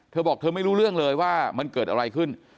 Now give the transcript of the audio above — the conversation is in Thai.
เธอบอกเธอไม่รู้เรื่องเลยว่ามันเกิดอะไรขึ้น